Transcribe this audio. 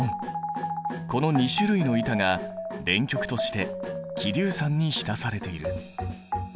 この２種類の板が電極として希硫酸に浸されている。